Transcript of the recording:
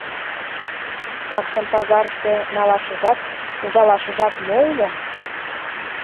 Такшым пазарыште налашыжат-ужалашыжат мо уло?